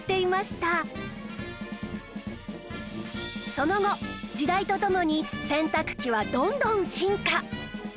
その後時代とともに洗濯機はどんどん進化